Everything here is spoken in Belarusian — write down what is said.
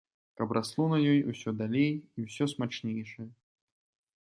Каб расло на ёй усё далей і ўсё смачнейшае.